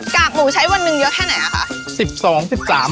กากหมูใช้วันหนึ่งเยอะแค่ไหนอะคะ